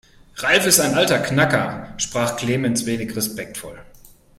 "Ralf ist ein alter Knacker", sprach Clemens wenig respektvoll.